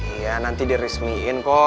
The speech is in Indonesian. iya nanti diresmiin kok